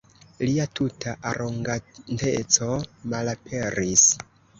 Lia tuta aroganteco malaperis.